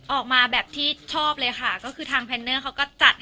ออกมาแบบที่ชอบเลยค่ะ